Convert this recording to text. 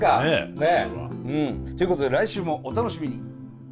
ねえ。ということで来週もお楽しみに。